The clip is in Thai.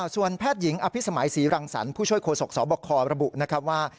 ส่วนแพทย์หญิงอภิษมัยศรีรังสรรค์ผู้ช่วยโฆษกสบคระบุนะครับว่า